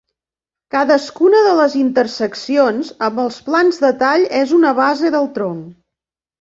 Cadascuna de les interseccions amb els plans de tall és una base del tronc.